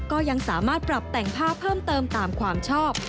ก็ยังสามารถปรับแต่งผ้าเพิ่มเติมตามความชอบ